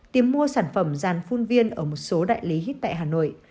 tìm mua sản phẩm giàn phun viên ở một số đại lý hít tại hà nội